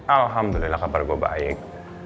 alhamdulillah kabar gue baik